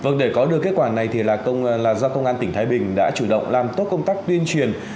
vâng để có được kết quả này thì là do công an tỉnh thái bình đã chủ động làm tốt công tác tuyên truyền